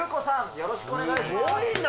よろしくお願いします。